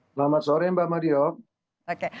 selamat sore mbak madio